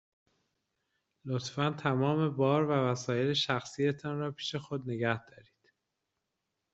لطفاً تمام بار و وسایل شخصی تان را پیش خود نگه دارید.